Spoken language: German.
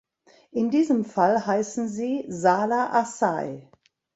In diesem Fall heißen sie "Sala Asai".